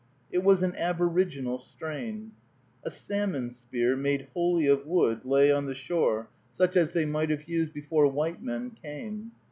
It was an aboriginal strain. A salmon spear, made wholly of wood, lay on the shore, such as they might have used before white men came.